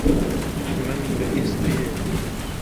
Min bihîstiye.